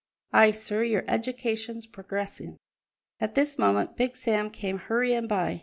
Ay, sir, your education's progressin'!" At this moment Big Sam came hurrying by.